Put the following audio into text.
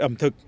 lễ hội ẩm thực